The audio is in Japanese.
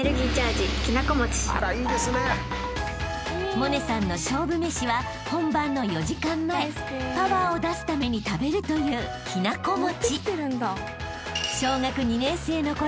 ［百音さんの勝負めしは本番の４時間前パワーを出すために食べるというきな粉餅］